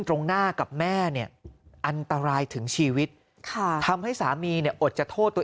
ตรงหน้ากับแม่เนี่ยอันตรายถึงชีวิตค่ะทำให้สามีเนี่ยอดจะโทษตัวเอง